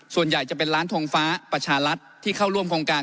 ส่วนใหญ่จะเป็นร้านทงฟ้าประชารัฐที่เข้าร่วมโครงการ